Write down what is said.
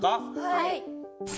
はい！